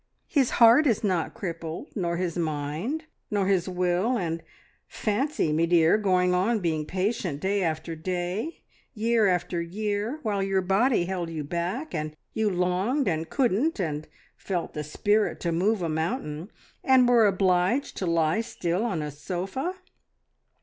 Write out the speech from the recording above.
His heart is not crippled, nor his mind, nor his will, and fancy, me dear, going on being patient, day after day, year after year, while your body held you back, and you longed, and couldn't, and felt the spirit to move a mountain, and were obliged to lie still on a sofa!"